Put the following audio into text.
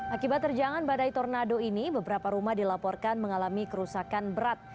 akibat terjangan badai tornado ini beberapa rumah dilaporkan mengalami kerusakan berat